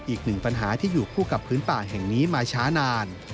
อีกหนึ่งปัญหาที่อยู่คู่กับพื้นป่าแห่งนี้มาช้านาน